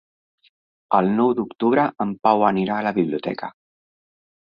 El nou d'octubre en Pau anirà a la biblioteca.